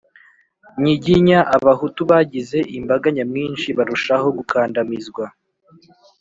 nyiginya, abahutu bagize imbaga nyamwinshi barushaho gukandamizwa